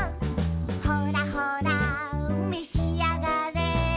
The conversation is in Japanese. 「ほらほらめしあがれ」